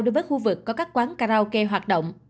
đối với khu vực có các quán karaoke hoạt động